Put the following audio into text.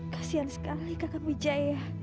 kasian sekali kak kang ujaya